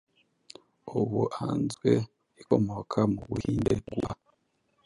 Ubuanzwe ikomoka mu Buhinde gua